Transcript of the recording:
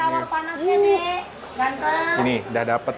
nanti kalau panasnya deh mantap